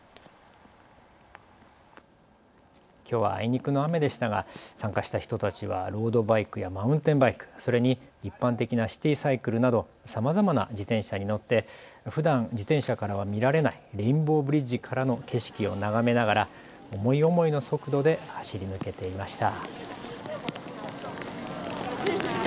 きょうはあいにくの雨でしたが参加した人たちはロードバイクやマウンテンバイク、それに一般的なシティサイクルなどさまざまな自転車に乗ってふだん自転車からは見られないレインボーブリッジからの景色を眺めながら思い思いの速度で走り抜けていました。